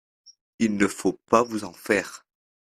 Il ne faut pas vous en faire.